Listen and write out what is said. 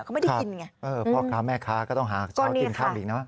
ก็ไม่ได้กินไงพ่อค้าแม่ค้าก็ต้องหาเช้ากินข้าวอีกนะ